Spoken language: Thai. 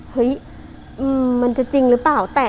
เฮ้ยมันจะจริงหรือเปล่า